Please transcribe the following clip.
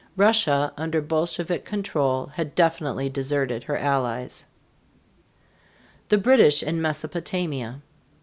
Russia under Bolshevik control had definitely deserted her allies. THE BRITISH IN MESOPOTAMIA.